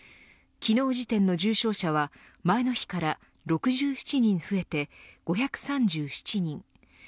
昨日時点の重症者は前の日から６７人増えて５３７人。